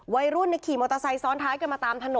วัยรุ่นขี่มอเตอร์ไซค์ซ้อนท้ายกันมาตามถนน